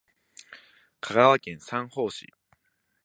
香川県三豊市